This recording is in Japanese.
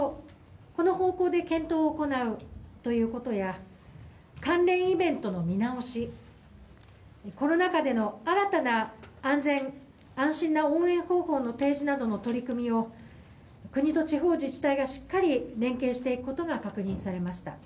この方向で検討を行うということや関連イベントの見直しコロナ禍での新たな安全・安心な応援方法の提示などの取り組みを国と地方自治体がしっかりと連携していくことが確認されました。